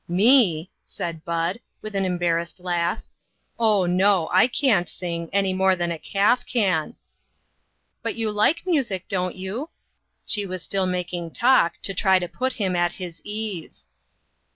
" Me !" said Bud, with an embarrassed laugh. " Oh, no, I can't sing, any more than a calf can." " But you like music, don't you ?" She was still making talk, to try to put him at his ease.